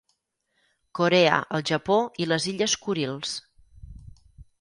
Corea, el Japó i les Illes Kurils.